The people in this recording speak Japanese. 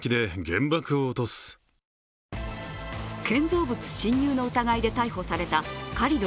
建造物侵入の疑いで逮捕されたカリド